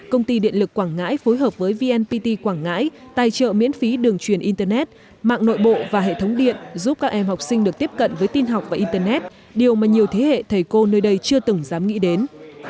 công ty điện lực quảng ngãi phối hợp với vnpt quảng ngãi tài trợ miễn phí đường truyền internet mạng nội bộ và hệ thống điện giúp các em học sinh được tiếp cận với tin học và internet điều mà nhiều thế hệ thầy cô nơi đây chưa từng dám nghĩ đến